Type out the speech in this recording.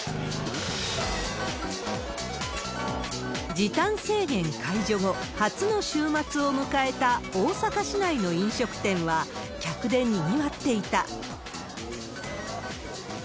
時短制限解除後、初の週末を迎えた大阪市内の飲食店は客でにぎわっていた。